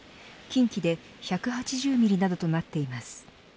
近畿で１８０ミリなどとなっています。